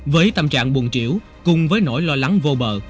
với tâm trạng buồn triểu cùng với nỗi lo lắng vô bờ